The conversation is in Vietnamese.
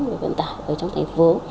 để vận tải ở trong thành phố